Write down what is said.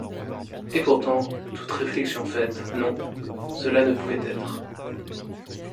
Et pourtant, toute réflexion faite, non! cela ne pouvait être.